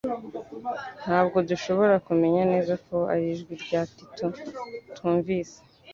Ntabwo dushobora kumenya neza ko ari ijwi rya Tito twumvise